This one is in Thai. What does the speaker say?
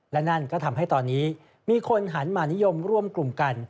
และนั่นก็ทำให้ตอนนี้มีคนหันมานิยมร่วมกลุ่มกัน